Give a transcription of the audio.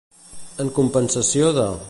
En compensació de.